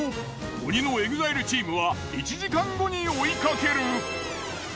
鬼のＥＸＩＬＥチームは１時間後に追いかける。